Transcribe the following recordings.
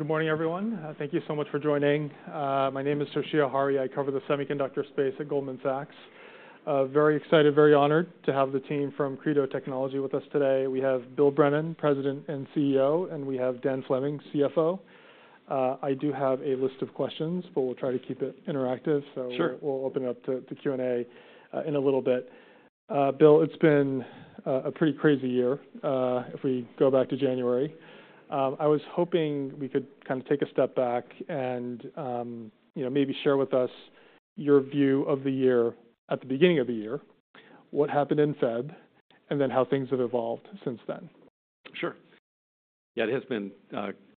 Good morning, everyone. Thank you so much for joining. My name is Toshiya Hari. I cover the semiconductor space at Goldman Sachs. Very excited, very honored to have the team from Credo Technology with us today. We have Bill Brennan, President and CEO, and we have Dan Fleming, CFO. I do have a list of questions, but we'll try to keep it interactive. Sure. So we'll open it up to Q&A in a little bit. Bill, it's been a pretty crazy year if we go back to January. I was hoping we could kind of take a step back and you know, maybe share with us your view of the year at the beginning of the year, what happened in Feb, and then how things have evolved since then. Sure. Yeah, it has been,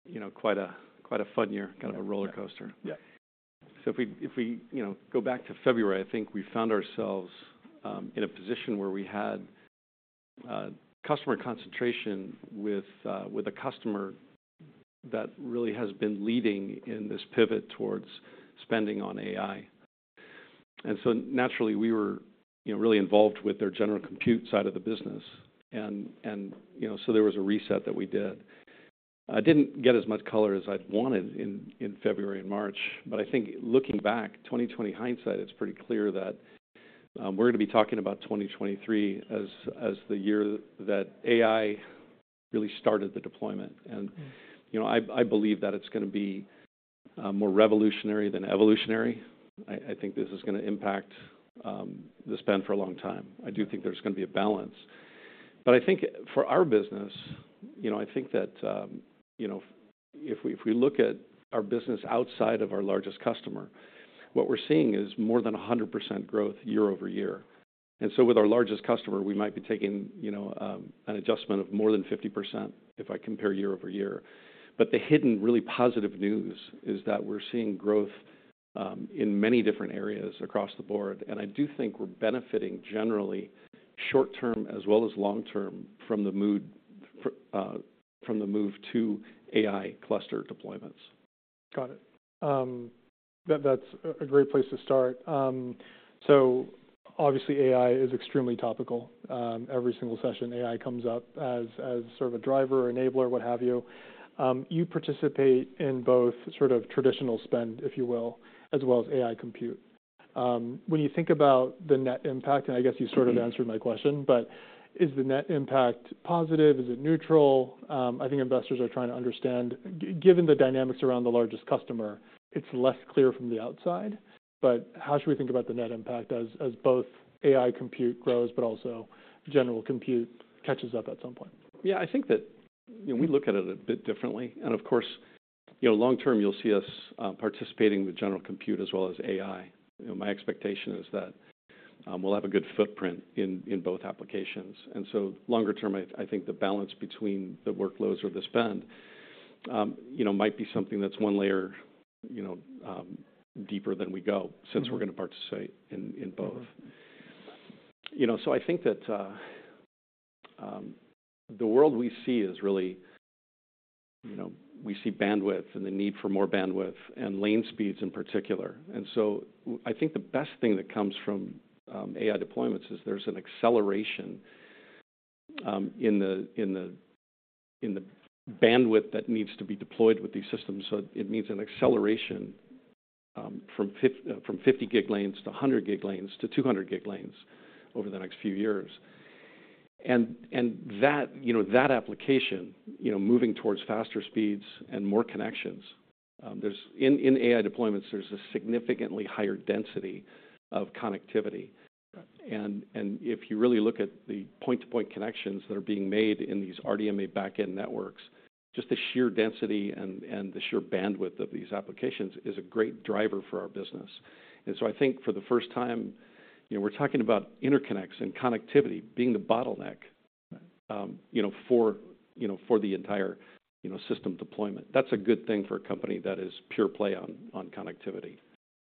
you know, quite a, quite a fun year, kind of a rollercoaster. Yeah. So if we, if we, you know, go back to February, I think we found ourselves in a position where we had customer concentration with a customer that really has been leading in this pivot towards spending on AI. And so naturally, we were, you know, really involved with their general compute side of the business, and, you know, so there was a reset that we did. I didn't get as much color as I'd wanted in February and March, but I think looking back, 2020 hindsight, it's pretty clear that we're gonna be talking about 2023 as the year that AI really started the deployment. Mm-hmm. You know, I believe that it's gonna be more revolutionary than evolutionary. I think this is gonna impact the spend for a long time. I do think there's gonna be a balance. But I think for our business, you know, I think that, you know, if we look at our business outside of our largest customer, what we're seeing is more than 100% growth year-over-year. And so with our largest customer, we might be taking, you know, an adjustment of more than 50% if I compare year-over-year. But the hidden, really positive news is that we're seeing growth in many different areas across the board, and I do think we're benefiting generally, short term as well as long term, from the move to AI cluster deployments. Got it. That, that's a great place to start. So obviously, AI is extremely topical. Every single session, AI comes up as, as sort of a driver, enabler, what have you. You participate in both sort of traditional spend, if you will, as well as AI compute. When you think about the net impact, and I guess you sort of answered my question, but is the net impact positive? Is it neutral? I think investors are trying to understand, given the dynamics around the largest customer, it's less clear from the outside, but how should we think about the net impact as both AI compute grows, but also general compute catches up at some point? Yeah, I think that, you know, we look at it a bit differently, and of course, you know, long term, you'll see us participating with general compute as well as AI. You know, my expectation is that we'll have a good footprint in both applications. And so longer term, I think the balance between the workloads or the spend, you know, might be something that's one layer, you know, deeper than we go. Mm-hmm Since we're gonna participate in both. Mm-hmm. You know, so I think that the world we see is really, you know, we see bandwidth and the need for more bandwidth and lane speeds in particular. And so I think the best thing that comes from AI deployments is there's an acceleration in the bandwidth that needs to be deployed with these systems. So it means an acceleration from 50 gig lanes to 100 gig lanes to 200 gig lanes over the next few years. And that, you know, that application, you know, moving towards faster speeds and more connections, there's. In AI deployments, there's a significantly higher density of connectivity. Right. And if you really look at the point-to-point connections that are being made in these RDMA backend networks, just the sheer density and the sheer bandwidth of these applications is a great driver for our business. And so I think for the first time, you know, we're talking about interconnects and connectivity being the bottleneck. Right You know, for, you know, for the entire, you know, system deployment. That's a good thing for a company that is pure play on, on connectivity.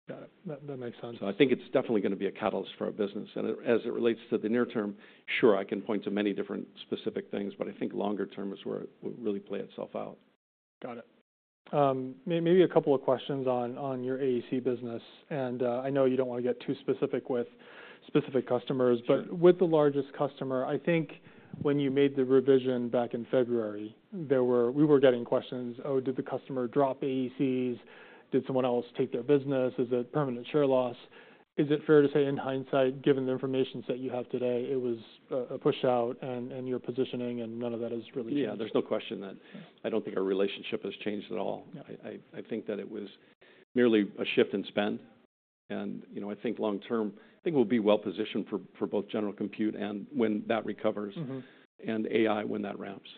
Got it. That makes sense. I think it's definitely gonna be a catalyst for our business. As it relates to the near term, sure, I can point to many different specific things, but I think longer term is where it will really play itself out. Got it. Maybe a couple of questions on your AEC business, and I know you don't want to get too specific with specific customers. Sure. But with the largest customer, I think when you made the revision back in February, there were we were getting questions: Oh, did the customer drop AECs? Did someone else take their business? Is it permanent share loss? Is it fair to say, in hindsight, given the information that you have today, it was, a push-out and, and you're positioning, and none of that is really- Yeah, there's no question that I don't think our relationship has changed at all. Yeah. I think that it was merely a shift in spend, and, you know, I think long term, I think we'll be well positioned for both general compute and when that recovers- Mm-hmm and AI, when that ramps.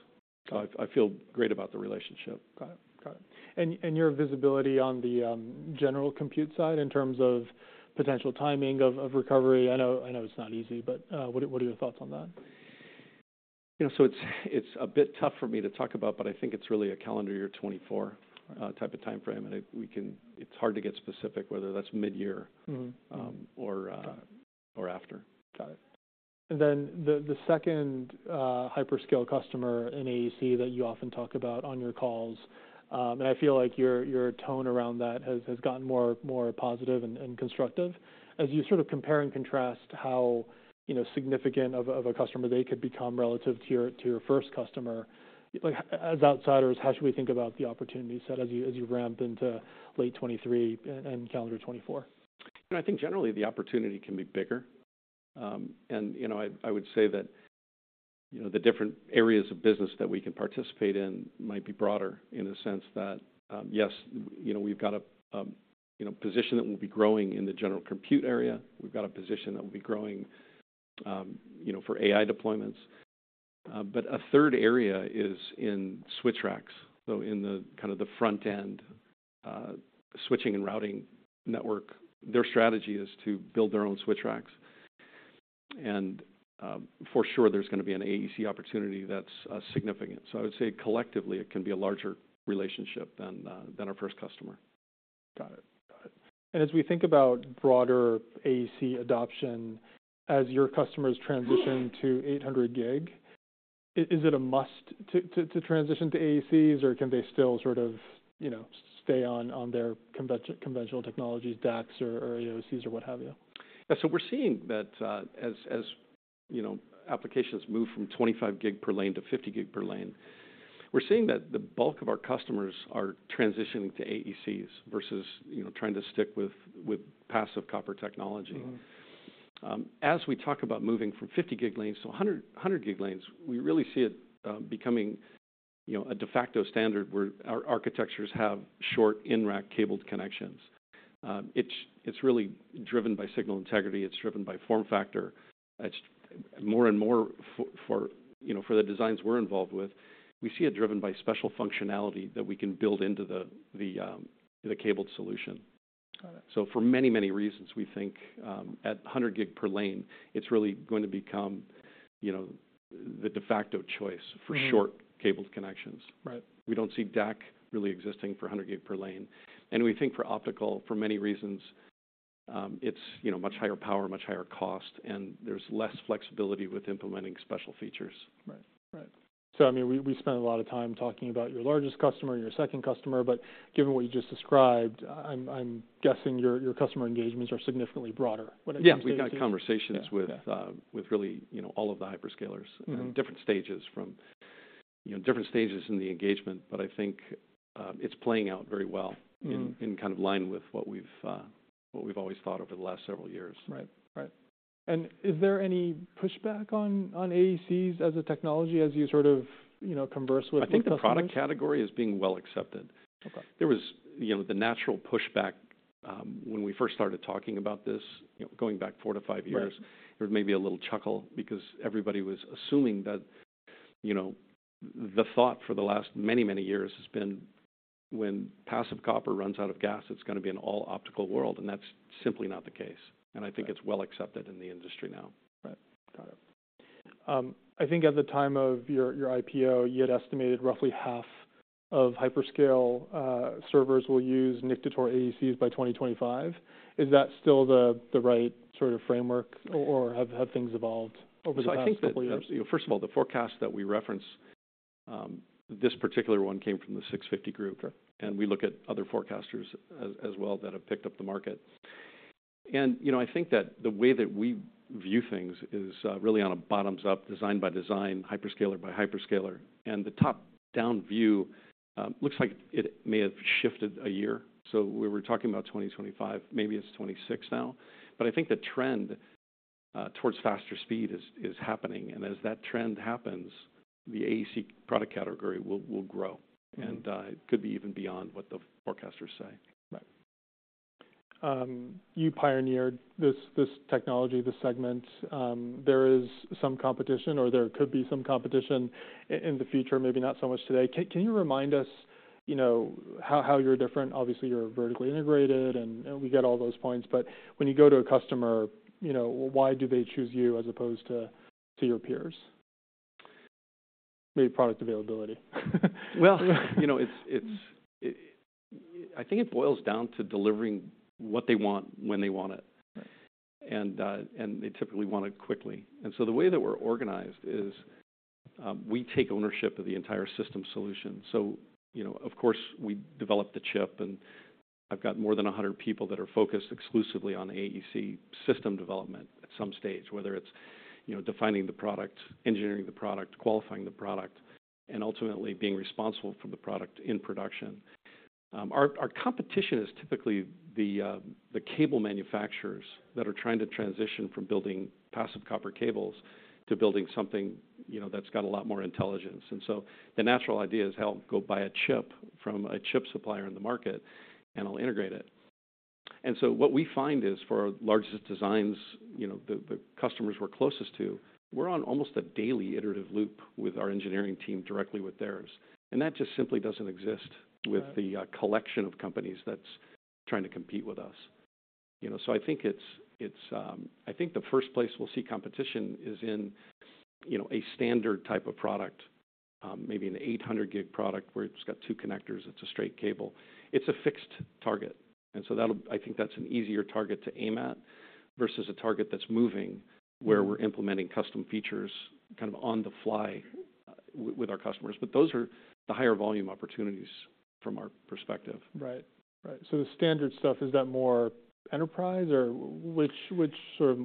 I, I feel great about the relationship. Got it. Got it. And your visibility on the general compute side in terms of potential timing of recovery, I know, I know it's not easy, but what are your thoughts on that? You know, so it's, it's a bit tough for me to talk about, but I think it's really a calendar year 2024- Right Type of time frame. And we can, it's hard to get specific whether that's midyear. Mm-hmm Or, after. Got it. And then the second hyperscale customer in AEC that you often talk about on your calls, and I feel like your tone around that has gotten more positive and constructive. As you sort of compare and contrast how, you know, significant of a customer they could become relative to your first customer, like, as outsiders, how should we think about the opportunity set as you ramp into late 2023 and calendar 2024? You know, I think generally the opportunity can be bigger. And, you know, I would say that, you know, the different areas of business that we can participate in might be broader in the sense that, yes, you know, we've got a, you know, position that will be growing in the general compute area. We've got a position that will be growing, you know, for AI deployments. But a third area is in switch racks, so in the kind of the front end, switching and routing network. Their strategy is to build their own switch racks, and, for sure, there's gonna be an AEC opportunity that's significant. So I would say collectively, it can be a larger relationship than, than our first customer. Got it. Got it. And as we think about broader AEC adoption, as your customers transition to 800 gig, is it a must to transition to AECs, or can they still sort of, you know, stay on their conventional technologies, DACs or AOCs, or what have you? Yeah. So we're seeing that, as you know, applications move from 25 gig per lane to 50 gig per lane, we're seeing that the bulk of our customers are transitioning to AECs versus, you know, trying to stick with passive copper technology. Mm-hmm. As we talk about moving from 50 gig lanes to a 100, 100 gig lanes, we really see it becoming, you know, a de facto standard where our architectures have short in-rack cabled connections. It's really driven by signal integrity. It's driven by form factor. It's more and more, you know, for the designs we're involved with, we see it driven by special functionality that we can build into the cabled solution. Got it. So for many, many reasons, we think, at 100 gig per lane, it's really going to become, you know, the de facto choice. Mm-hmm For short cabled connections. Right. We don't see DAC really existing for 100 gig per lane, and we think for optical, for many reasons, it's, you know, much higher power, much higher cost, and there's less flexibility with implementing special features. Right. Right. So, I mean, we, we spent a lot of time talking about your largest customer and your second customer, but given what you just described, I'm guessing your, your customer engagements are significantly broader. Would it be- Yeah, we've got conversations with- Yeah With really, you know, all of the hyperscalers- Mm-hmm Different stages from, you know, different stages in the engagement, but I think, it's playing out very well- Mm-hmm In kind of line with what we've always thought over the last several years. Right. Right. And is there any pushback on, on AECs as a technology, as you sort of, you know, converse with? I think the product category is being well accepted. Okay. There was, you know, the natural pushback, when we first started talking about this, you know, going back 4-5 years. Right. There was maybe a little chuckle because everybody was assuming that, you know, the thought for the last many, many years has been when passive copper runs out of gas, it's gonna be an all optical world, and that's simply not the case. Right. I think it's well accepted in the industry now. Right. Got it. I think at the time of your, your IPO, you had estimated roughly half of hyperscale servers will use NIC-to-ToR AECs by 2025. Is that still the, the right sort of framework? Or, or have, have things evolved over the past couple years? I think that, you know, first of all, the forecast that we reference, this particular one came from the 650 Group. Okay. We look at other forecasters as well that have picked up the market. And, you know, I think that the way that we view things is really on a bottoms-up, design-by-design, hyperscaler-by-hyperscaler, and the top-down view looks like it may have shifted a year. So we were talking about 2025, maybe it's 2026 now. But I think the trend towards faster speed is happening, and as that trend happens, the AEC product category will grow. Mm-hmm. It could be even beyond what the forecasters say. Right. You pioneered this technology, this segment. There is some competition, or there could be some competition in the future, maybe not so much today. Can you remind us, you know, how you're different? Obviously, you're vertically integrated, and we get all those points, but when you go to a customer, you know, why do they choose you as opposed to your peers? Maybe product availability. Well, you know, I think it boils down to delivering what they want, when they want it. Right. They typically want it quickly. So the way that we're organized is, we take ownership of the entire system solution. So, you know, of course, we develop the chip, and I've got more than 100 people that are focused exclusively on the AEC system development at some stage, whether it's, you know, defining the product, engineering the product, qualifying the product, and ultimately being responsible for the product in production. Our competition is typically the cable manufacturers that are trying to transition from building passive copper cables to building something, you know, that's got a lot more intelligence. So the natural idea is: Hell, go buy a chip from a chip supplier in the market, and I'll integrate it. And so what we find is, for our largest designs, you know, the customers we're closest to, we're on almost a daily iterative loop with our engineering team, directly with theirs, and that just simply doesn't exist. Right With the collection of companies that's trying to compete with us. You know, so I think it's, I think the first place we'll see competition is in, you know, a standard type of product, maybe an 800 gig product, where it's got two connectors, it's a straight cable. It's a fixed target, and so that'll, I think that's an easier target to aim at versus a target that's moving- Mm-hmm where we're implementing custom features kind of on the fly with our customers. But those are the higher volume opportunities from our perspective. Right. Right. So the standard stuff, is that more enterprise or which, which sort of,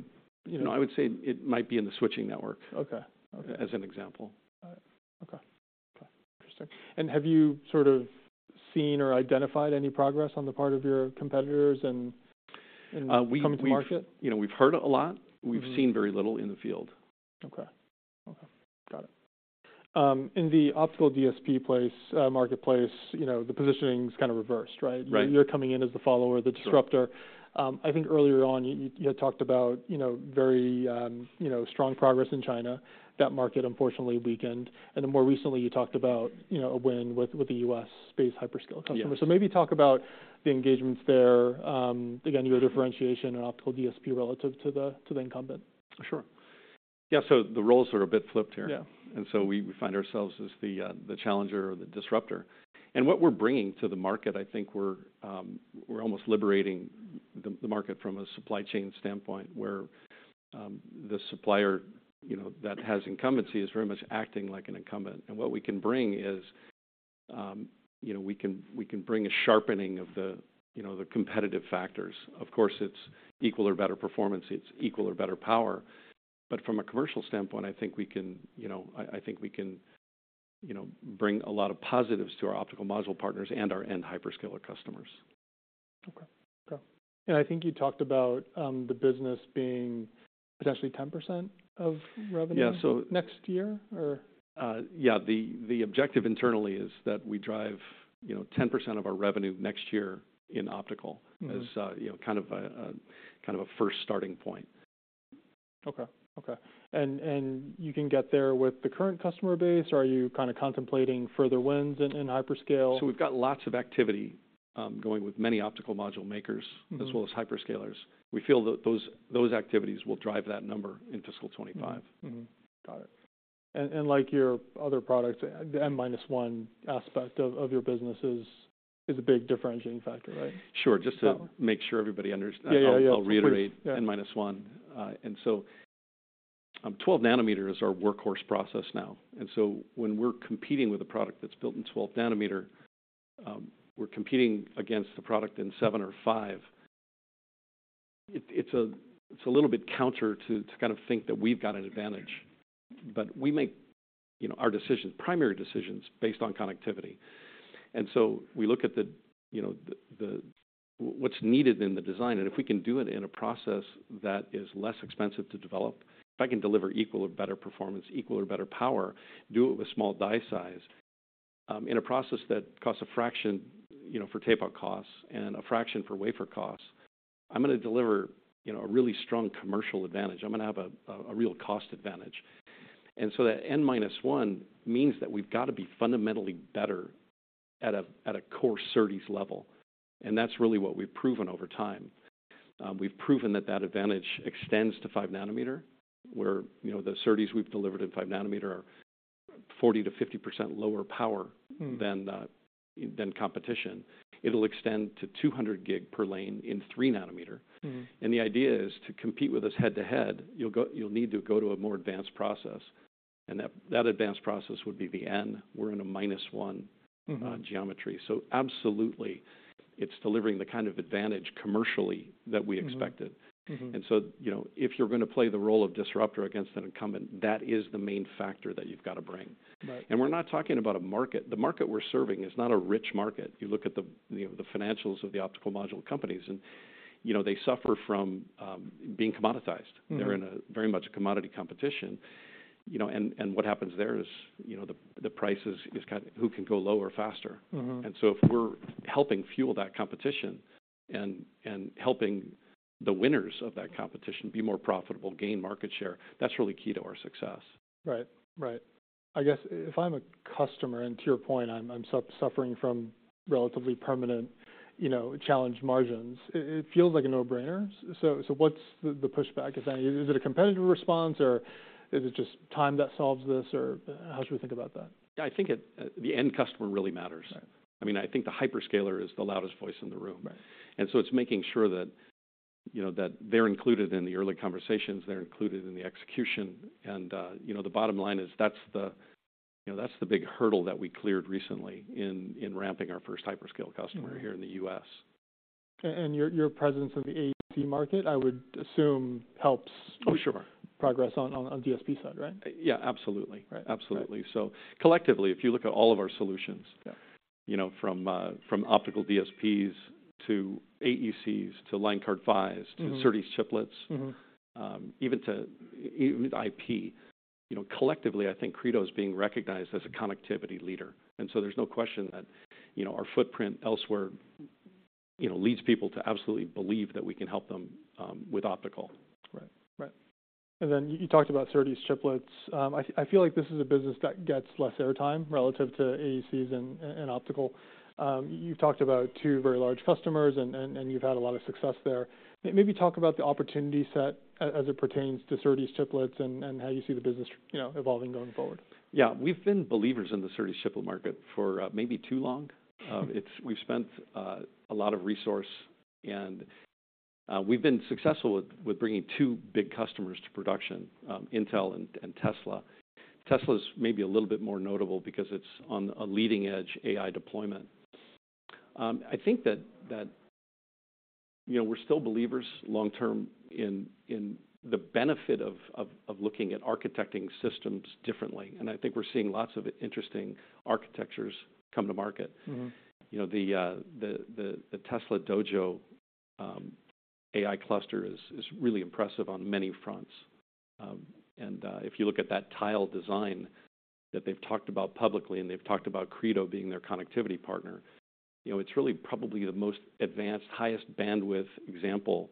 you know— No, I would say it might be in the switching network- Okay. Okay as an example. All right. Okay, Interesting. Have you sort of seen or identified any progress on the part of your competitors in coming to market? We've, you know, we've heard a lot. Mm-hmm. We've seen very little in the field. Okay. Okay, got it. In the Optical DSP place, marketplace, you know, the positioning is kind of reversed, right? Right. You're coming in as the follower, the disruptor. Sure. I think earlier on, you had talked about, you know, very, you know, strong progress in China. That market unfortunately weakened, and then more recently you talked about, you know, a win with the U.S.-based hyperscale customer. Yes. Maybe talk about the engagements there. Again, your differentiation in Optical DSP relative to the incumbent. Sure. Yeah, so the roles are a bit flipped here. Yeah. And so we find ourselves as the challenger or the disruptor. And what we're bringing to the market, I think we're almost liberating the market from a supply chain standpoint, where the supplier, you know, that has incumbency is very much acting like an incumbent. And what we can bring is, you know, we can bring a sharpening of the, you know, the competitive factors. Of course, it's equal or better performance, it's equal or better power. But from a commercial standpoint, I think we can, you know. I think we can, you know, bring a lot of positives to our optical module partners and our end hyperscaler customers. Okay. Yeah. And I think you talked about the business being potentially 10% of revenue. Yeah, so? next year, or? Yeah, the objective internally is that we drive, you know, 10% of our revenue next year in optical- Mm-hmm as, you know, kind of a first starting point. Okay. Okay. And you can get there with the current customer base, or are you kind of contemplating further wins in hyperscale? So we've got lots of activity, going with many optical module makers. Mm-hmm As well as hyperscalers. We feel that those, those activities will drive that number in fiscal 2025. Mm-hmm. Got it. And like your other products, the N-minus-one aspect of your business is a big differentiating factor, right? Sure. Yeah. Just to make sure everybody understands- Yeah, yeah, yeah. I'll reiterate N-minus-one. And so, 12nm is our workhorse process now, and so when we're competing with a product that's built in 12nm, we're competing against a product in 7nm or 5nm. It's a little bit counter to kind of think that we've got an advantage, but we make, you know, our decisions, primary decisions, based on connectivity. And so we look at the, you know, what's needed in the design, and if we can do it in a process that is less expensive to develop, if I can deliver equal or better performance, equal or better power, do it with small die size, in a process that costs a fraction, you know, for tape-out costs and a fraction for wafer costs, I'm gonna deliver, you know, a really strong commercial advantage. I'm gonna have a real cost advantage. And so that N-minus-one means that we've got to be fundamentally better at a core SerDes level, and that's really what we've proven over time. We've proven that advantage extends to 5nm, where, you know, the SerDes we've delivered in 5nm are 40%-50% lower power- Mm Than the competition. It'll extend to 200 gig per lane in 3nm. Mm. The idea is to compete with us head-to-head, you'll go, you'll need to go to a more advanced process, and that, that advanced process would be the N. We're in a minus one- Mm-hmm geometry. So absolutely, it's delivering the kind of advantage commercially that we expected. Mm-hmm. Mm-hmm. And so, you know, if you're gonna play the role of disruptor against an incumbent, that is the main factor that you've got to bring. Right. We're not talking about a market. The market we're serving is not a rich market. You look at the, you know, the financials of the optical module companies, and, you know, they suffer from being commoditized. Mm. They're in a very much a commodity competition, you know, and what happens there is, you know, the price is kind of who can go lower faster. Mm-hmm. And so if we're helping fuel that competition and helping the winners of that competition be more profitable, gain market share, that's really key to our success. Right. Right. I guess if I'm a customer, and to your point, I'm suffering from relatively permanent, you know, challenged margins, it feels like a no-brainer. So what's the pushback? Is that? Is it a competitive response, or is it just time that solves this, or how should we think about that? I think it, the end customer really matters. Right. I mean, I think the hyperscaler is the loudest voice in the room. Right. And so it's making sure that, you know, that they're included in the early conversations, they're included in the execution. And, you know, the bottom line is that's the, you know, that's the big hurdle that we cleared recently in ramping our first hyperscale customer, Mm here in the U.S. And your presence in the AEC market, I would assume, helps. Oh, sure progress on DSP side, right? Yeah, absolutely. Right. Absolutely. Right. So collectively, if you look at all of our solutions- Yeah you know, from Optical DSPs to AECs, to line card PHYs. Mm-hmm To SerDes Chiplets. Mm-hmm Even IP. You know, collectively, I think Credo is being recognized as a connectivity leader, and so there's no question that, you know, our footprint elsewhere, you know, leads people to absolutely believe that we can help them with optical. Right. Right. And then you talked about SerDes Chiplets. I feel like this is a business that gets less airtime relative to AECs and optical. You've talked about two very large customers, and you've had a lot of success there. Maybe talk about the opportunity set as it pertains to SerDes Chiplets and how you see the business, you know, evolving going forward. Yeah. We've been believers in the SerDes Chiplet market for, maybe too long. Mm. We've spent a lot of resources, and we've been successful with bringing two big customers to production: Intel and Tesla. Tesla's maybe a little bit more notable because it's on a leading-edge AI deployment. I think that you know, we're still believers long term in the benefit of looking at architecting systems differently. And I think we're seeing lots of interesting architectures come to market. Mm-hmm. You know, the Tesla Dojo AI cluster is really impressive on many fronts. And if you look at that tile design that they've talked about publicly, and they've talked about Credo being their connectivity partner, you know, it's really probably the most advanced, highest bandwidth example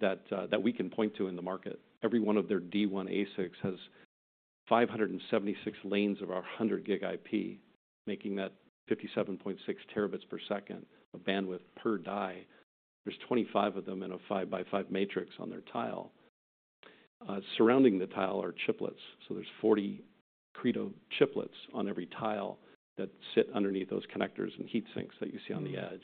that we can point to in the market. Every one of their D1 ASICs has 576 lanes of our 100 gig IP, making that 57.6 terabits per second of bandwidth per die. There's 25 of them in a 5/5 matrix on their tile. Surrounding the tile are Chiplets. So there's 40 Credo Chiplets on every tile that sit underneath those connectors and heat sinks that you see on the edge.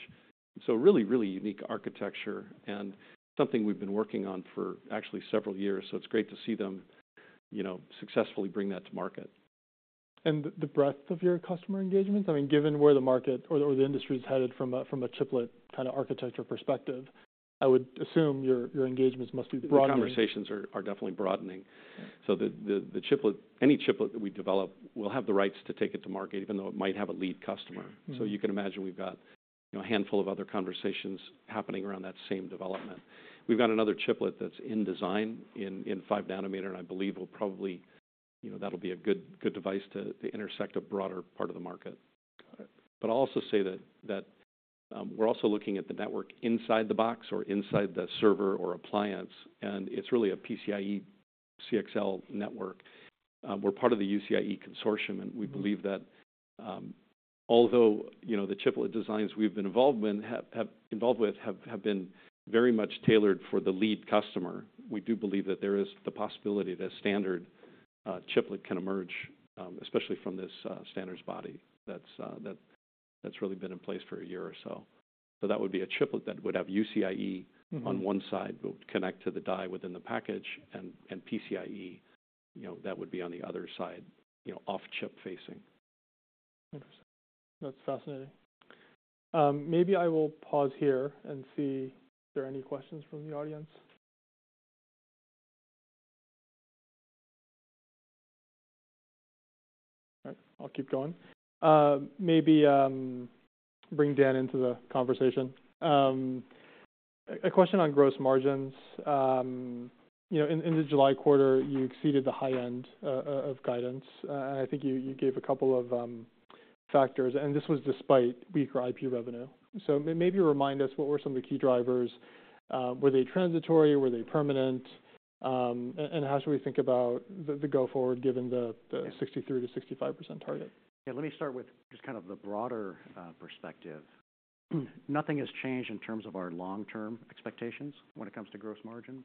So a really, really unique architecture and something we've been working on for actually several years. It's great to see them, you know, successfully bring that to market. The breadth of your customer engagements, I mean, given where the market or the industry is headed from a Chiplet kind of architecture perspective, I would assume your engagements must be broadening. The conversations are definitely broadening. So the Chiplet, any Chiplet that we develop, we'll have the rights to take it to market, even though it might have a lead customer. Mm-hmm. You can imagine we've got, you know, a handful of other conversations happening around that same development. We've got another Chiplet that's in design in 5nm, and I believe will probably, you know, that'll be a good, good device to intersect a broader part of the market. Got it. But I'll also say that we're also looking at the network inside the box or inside the server or appliance, and it's really a PCIe CXL network. We're part of the UCIe consortium. Mm-hmm. And we believe that, although, you know, the Chiplet designs we've been involved in have been very much tailored for the lead customer, we do believe that there is the possibility that a standard Chiplet can emerge, especially from this standards body that's really been in place for a year or so. So that would be a Chiplet that would have UCIe. Mm-hmm. On one side, but connect to the die within the package and PCIe, you know, that would be on the other side, you know, off-chip facing. Interesting. That's fascinating. Maybe I will pause here and see if there are any questions from the audience. All right, I'll keep going. Maybe bring Dan into the conversation. A question on gross margins. You know, in the July quarter, you exceeded the high end of guidance. And I think you gave a couple of factors, and this was despite weaker IP revenue. So maybe remind us, what were some of the key drivers? Were they transitory, were they permanent? And how should we think about the go forward, given the. Yeah. The 63%-65% target? Yeah, let me start with just kind of the broader perspective. Nothing has changed in terms of our long-term expectations when it comes to gross margin.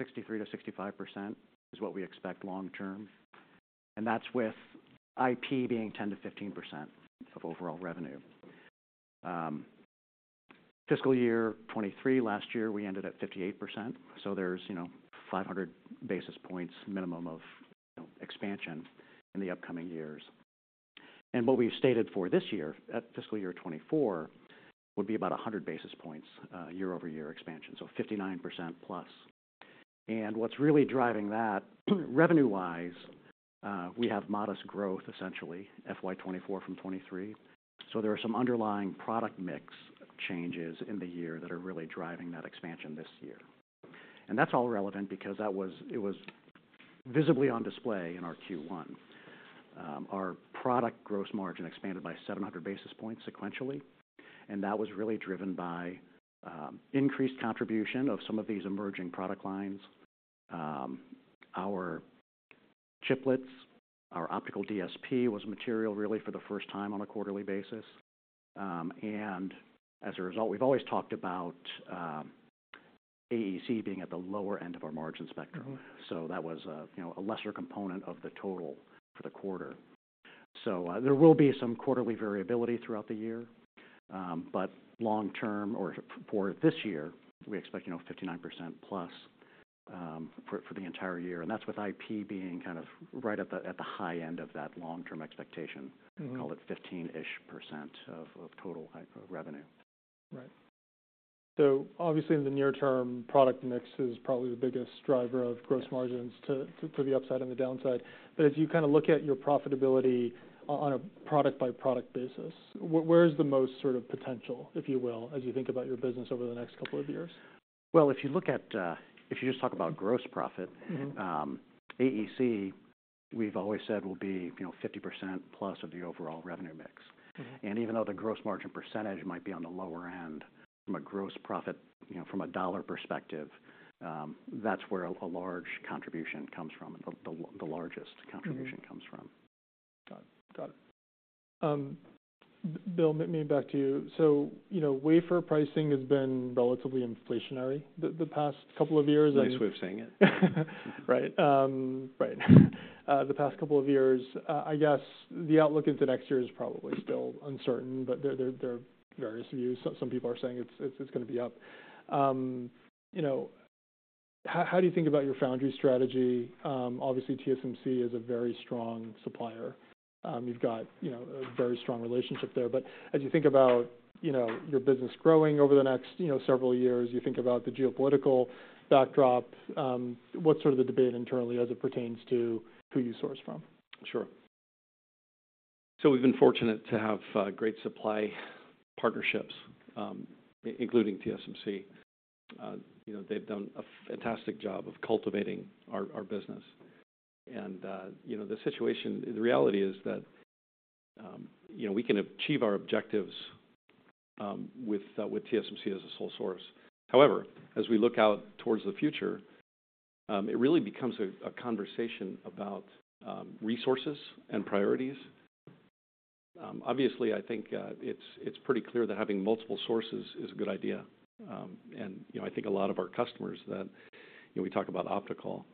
63%-65% is what we expect long term, and that's with IP being 10%-15% of overall revenue. Fiscal year 2023, last year, we ended at 58%, so there's, you know, 500 basis points minimum of, you know, expansion in the upcoming years. And what we've stated for this year, at fiscal year 2024, would be about 100 basis points year-over-year expansion, so 59%+. And what's really driving that, revenue-wise, we have modest growth, essentially, FY 2024 from 2023. So there are some underlying product mix changes in the year that are really driving that expansion this year. That's all relevant because that was. It was visibly on display in our Q1. Our product gross margin expanded by 700 basis points sequentially, and that was really driven by increased contribution of some of these emerging product lines. Our chiplets, our Optical DSP was material really for the first time on a quarterly basis. And as a result, we've always talked about AEC being at the lower end of our margin spectrum. Mm-hmm. So that was a, you know, a lesser component of the total for the quarter. So, there will be some quarterly variability throughout the year. But long term or for this year, we expect, you know, 59%+, for, for the entire year. And that's with IP being kind of right at the, at the high end of that long-term expectation. Mm-hmm. Call it 15%-ish of total IP revenue. Right. So obviously, in the near term, product mix is probably the biggest driver of. Yeah Gross margins to for the upside and the downside. But as you kind of look at your profitability on a product-by-product basis, where is the most sort of potential, if you will, as you think about your business over the next couple of years? Well, if you look at, if you just talk about gross profit. Mm-hmm AEC, we've always said will be, you know, 50% plus of the overall revenue mix. Mm-hmm. Even though the gross margin percentage might be on the lower end from a gross profit, you know, from a dollar perspective, that's where a large contribution comes from, the largest contribution. Mm-hmm Comes from. Got it. Got it. Bill, maybe back to you. So, you know, wafer pricing has been relatively inflationary the past couple of years, and. Nice way of saying it. Right. Right. The past couple of years, I guess the outlook into next year is probably still uncertain, but there are various views. Some people are saying it's gonna be up. You know, How do you think about your foundry strategy? Obviously, TSMC is a very strong supplier. You've got, you know, a very strong relationship there. But as you think about, you know, your business growing over the next, you know, several years, you think about the geopolitical backdrop, what's sort of the debate internally as it pertains to who you source from? Sure. So we've been fortunate to have great supply partnerships, including TSMC. You know, they've done a fantastic job of cultivating our business. And you know, the situation, the reality is that you know, we can achieve our objectives with TSMC as a sole source. However, as we look out towards the future, it really becomes a conversation about resources and priorities. Obviously, I think it's pretty clear that having multiple sources is a good idea. And you know, I think a lot of our customers that we talk about optical,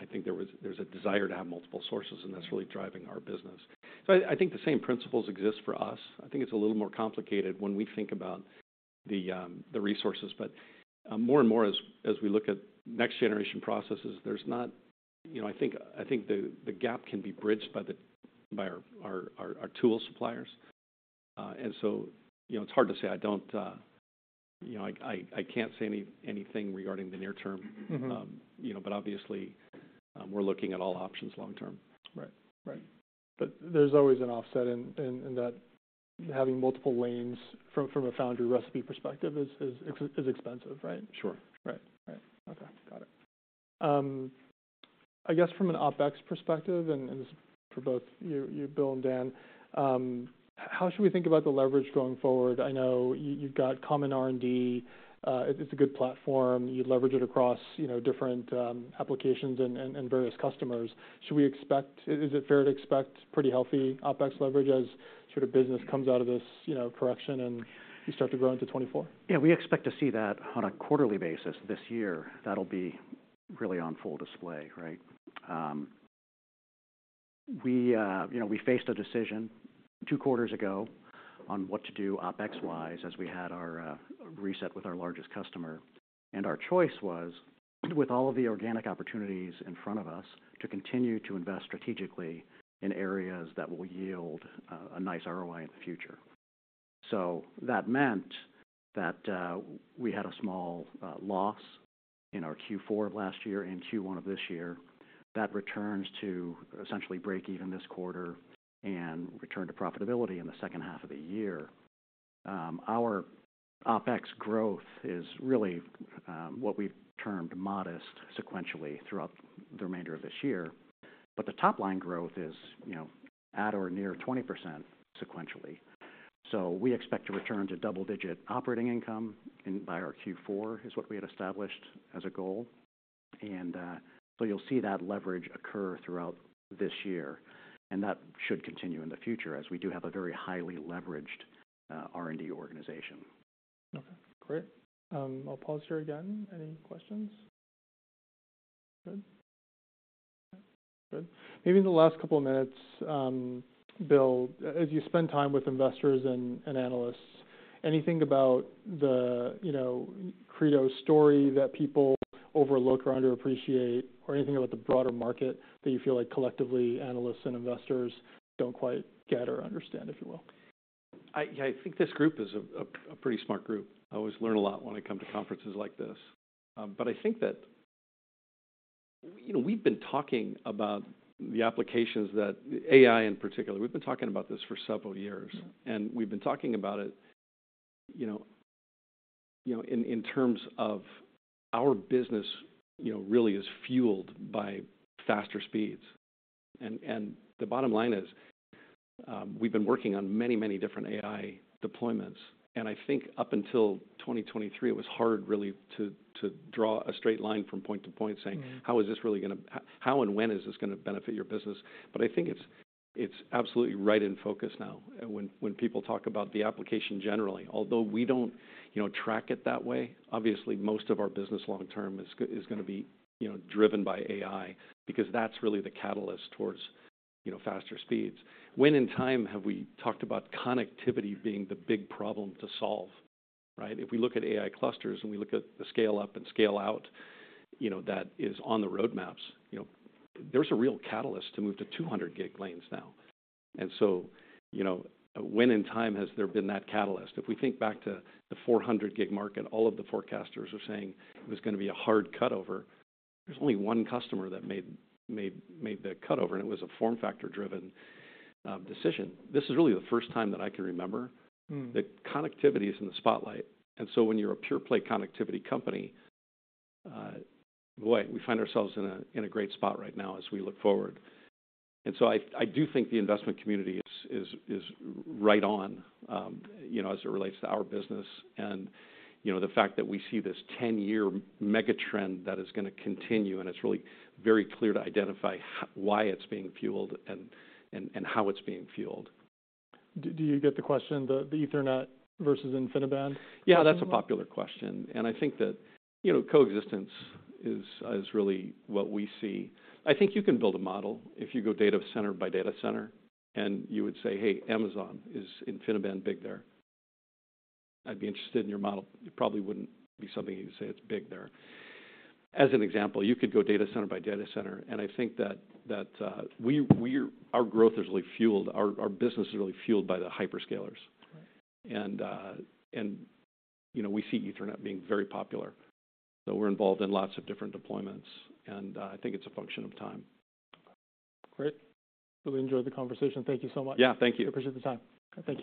I think there's a desire to have multiple sources, and that's really driving our business. So I think the same principles exist for us. I think it's a little more complicated when we think about the resources, but more and more, as we look at next-generation processes, there's not. You know, I think the gap can be bridged by our tool suppliers. And so, you know, it's hard to say. I don't, you know, I can't say anything regarding the near term. Mm-hmm. You know, but obviously, we're looking at all options long term. Right. Right. But there's always an offset in that having multiple lanes from a foundry recipe perspective is expensive, right? Sure. Right. Right. Okay, got it. I guess from an OpEx perspective, and this is for both you, Bill and Dan, how should we think about the leverage going forward? I know you've got common R&D. It's a good platform. You leverage it across, you know, different applications and various customers. Should we expect? Is it fair to expect pretty healthy OpEx leverage as sort of business comes out of this, you know, correction, and you start to grow into 2024? Yeah, we expect to see that on a quarterly basis this year. That'll be really on full display, right? We, you know, we faced a decision two quarters ago on what to do OpEx-wise as we had our reset with our largest customer, and our choice was, with all of the organic opportunities in front of us, to continue to invest strategically in areas that will yield a nice ROI in the future. So that meant that, we had a small loss in our Q4 of last year and Q1 of this year. That returns to essentially break even this quarter and return to profitability in the second half of the year. Our OpEx growth is really what we've termed modest sequentially throughout the remainder of this year, but the top-line growth is, you know, at or near 20% sequentially. So we expect to return to double-digit operating income in by our Q4, is what we had established as a goal. And so you'll see that leverage occur throughout this year, and that should continue in the future, as we do have a very highly leveraged R&D organization. Okay, great. I'll pause here again. Any questions? Good. Good. Maybe in the last couple of minutes, Bill, as you spend time with investors and analysts, anything about the, you know, Credo story that people overlook or underappreciate, or anything about the broader market that you feel like collectively, analysts and investors don't quite get or understand, if you will? I think this group is a pretty smart group. I always learn a lot when I come to conferences like this. But I think that, you know, we've been talking about the applications that AI in particular, we've been talking about this for several years. Mm-hmm. And we've been talking about it, you know, you know, in terms of our business, you know, really is fueled by faster speeds. And the bottom line is, we've been working on many, many different AI deployments, and I think up until 2023, it was hard really to draw a straight line from point to point, saying. Mm How and when is this gonna benefit your business? But I think it's absolutely right in focus now, when people talk about the application generally. Although we don't, you know, track it that way, obviously most of our business long term is gonna be, you know, driven by AI, because that's really the catalyst towards, you know, faster speeds. When in time have we talked about connectivity being the big problem to solve, right? If we look at AI clusters and we look at the scale-up and scale-out, you know, that is on the roadmaps, you know, there's a real catalyst to move to 200 gig lanes now. And so, you know, when in time has there been that catalyst? If we think back to the 400 gig market, all of the forecasters were saying it was gonna be a hard cutover. There's only one customer that made the cutover, and it was a form factor-driven decision. This is really the first time that I can remember. Hmm That connectivity is in the spotlight. And so when you're a pure-play connectivity company, boy, we find ourselves in a great spot right now as we look forward. And so I do think the investment community is right on, you know, as it relates to our business and, you know, the fact that we see this ten-year mega trend that is gonna continue, and it's really very clear to identify why it's being fueled and how it's being fueled. Do you get the question, the Ethernet versus InfiniBand? Yeah, that's a popular question, and I think that, you know, coexistence is really what we see. I think you can build a model if you go data center by data center, and you would say, "Hey, Amazon, is InfiniBand big there?" I'd be interested in your model. It probably wouldn't be something you'd say it's big there. As an example, you could go data center by data center, and I think that our growth is really fueled, our business is really fueled by the hyperscalers. Right. You know, we see Ethernet being very popular, so we're involved in lots of different deployments, and I think it's a function of time. Great. Really enjoyed the conversation. Thank you so much. Yeah, thank you. I appreciate the time. Thank you.